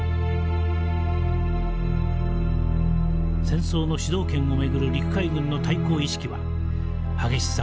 戦争の主導権を巡る陸海軍の対抗意識は激しさを増していきます。